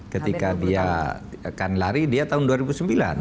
ketika dia akan lari dia tahun dua ribu sembilan